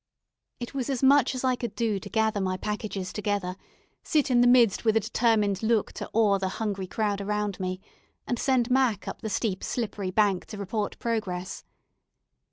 It was as much as I could do to gather my packages together, sit in the midst with a determined look to awe the hungry crowd around me, and send "Mac" up the steep slippery bank to report progress.